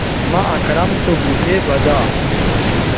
مہ اکرم سو گوٹھے بزا